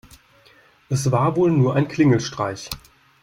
Es war wohl nur ein Klingelstreich.